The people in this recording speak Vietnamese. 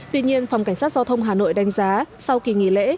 tuy nhiên phòng cảnh sát giao thông hà nội đánh giá sau kỳ nghỉ lễ